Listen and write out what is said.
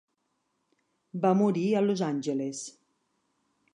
Va morir a Los Angeles.